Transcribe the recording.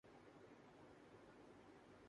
اور یہ کوئی معمولی بات نہیں۔